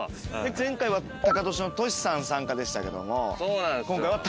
前回はタカトシのトシさん参加でしたけども今回はタカさん。